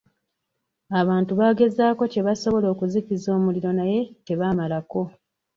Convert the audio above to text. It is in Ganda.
Abantu baagezako kye basobola okuzikiza omuliro naye tebamalako.